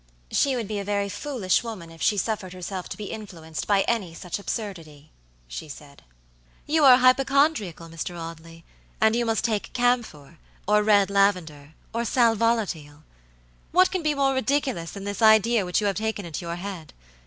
"She would be a very foolish woman if she suffered herself to be influenced by any such absurdity," she said. "You are hypochondriacal, Mr. Audley, and you must take camphor, or red lavender, or sal volatile. What can be more ridiculous than this idea which you have taken into your head?